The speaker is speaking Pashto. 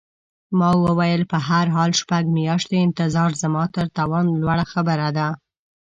ما وویل: په هر حال، شپږ میاشتې انتظار زما تر توان لوړه خبره ده.